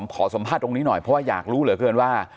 ขอสัมภาษณ์ตรงนี้หน่อยเพราะว่าอยากรู้เหลือเกินว่า